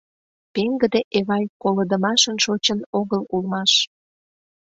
— Пеҥгыде Эвай колыдымашын шочын огыл улмаш».